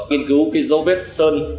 nghiên cứu cái dấu vết sơn